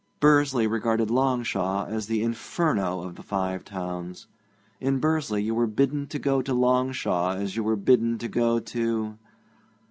Bursley regarded Longshaw as the Inferno of the Five Towns. In Bursley you were bidden to go to Longshaw as you were bidden to go to